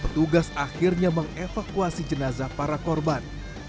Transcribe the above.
dan petugas akhirnya mengevakuasi jenazah para korban